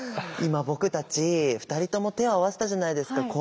今僕たち２人とも手を合わせたじゃないですか。